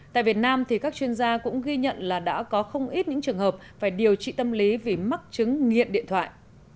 tại việt nam thì các chuyên gia cũng ghi nhận là đã có không ít những trường hợp phải điều trị tâm lý vì mắc chứng nghiện điện thoại